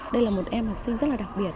đây là một em học sinh rất là đặc biệt